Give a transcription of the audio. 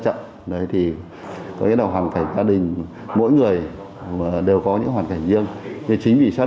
trận đấy thì có cái nào hoàn cảnh gia đình mỗi người đều có những hoàn cảnh riêng chính vì xác